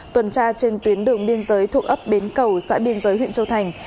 tuần tra trên tuyến đường biên giới thuộc ấp bến cầu xã biên giới huyện châu thành